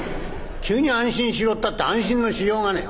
急に安心しろったって安心のしようがねえ」。